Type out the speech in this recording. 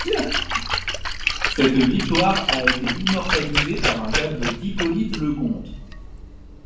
Cette victoire a été immortalisée par un tableau d'Hippolyte Lecomte.